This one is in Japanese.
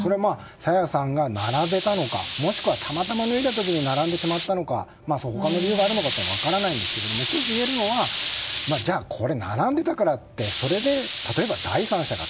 朝芽さんが並べたのかもしくはたまたま脱いだ時に並んでしまったのかは、理由は分からないんですが１ついえるのはじゃあ、並んでたからといって例えば第三者が